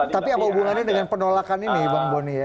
tapi apa hubungannya dengan penolakan ini bang boni ya